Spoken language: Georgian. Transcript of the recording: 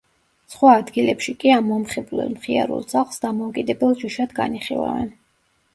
სხვა ადგილებში კი ამ მომხიბვლელ, მხიარულ ძაღლს დამოუკიდებელ ჯიშად განიხილავენ.